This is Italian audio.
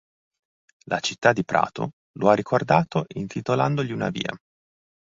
La città di Prato lo ha ricordato intitolandogli una via.